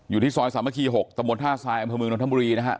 อยู่ที่ซอยสามัคคี๖ตม๕ทรายอัมพมือนวรรณมุรีนะฮะ